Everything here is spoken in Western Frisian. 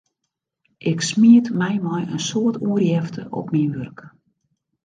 Ik smiet my mei in soad oerjefte op myn wurk.